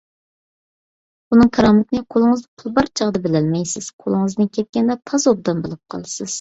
پۇلنىڭ كارامىتىنى قولىڭىزدا پۇل بار چاغدا بىلەلمەيسىز، قولىڭىزدىن كەتكەندە تازا ئوبدان بىلىپ قالىسىز.